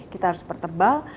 kita harus pertebal